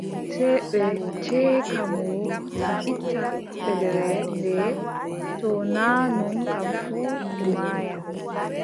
Sey ɓe ceeka mo ɓe itta ɓellere ndee, to naa non kam fuu, o maayan.